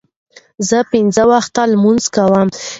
زه پنځه وخته لمونځ کوم.